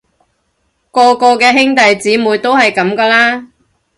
個個嘅兄弟姊妹都係噉㗎啦